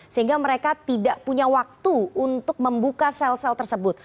sehingga mereka tidak punya waktu untuk membuka sel sel tersebut